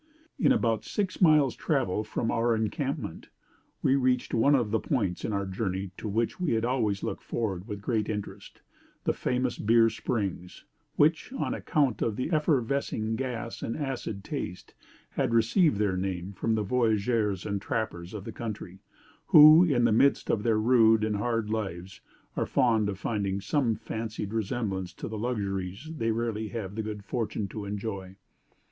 "'In about six miles' travel from our encampment, we reached one of the points in our journey to which we had always looked forward with great interest the famous Beer Springs, which, on account of the effervescing gas and acid taste, had received their name from the voyageurs and trappers of the country, who, in the midst of their rude and hard lives, are fond of finding some fancied resemblance to the luxuries they rarely have the good fortune to enjoy.